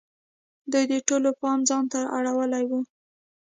دوی د ټولو پام ځان ته اړولی وو.